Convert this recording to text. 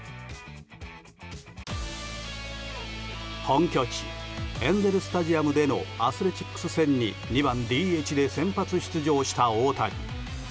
本拠地エンゼル・スタジアムでのアスレチックス戦に２番ＤＨで先発出場した大谷。